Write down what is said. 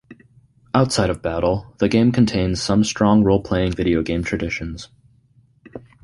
Outside of battle, the game contains some strong role-playing video game traditions.